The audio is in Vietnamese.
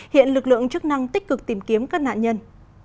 hiện lực lượng chức năng tích cực tìm kiếm các nạn nhân